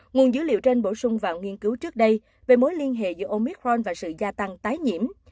nguồn dữ liệu trên bổ sung vào nghiên cứu trước đây về mối liên hệ giữa omicron và sự gia tăng tái nhiễm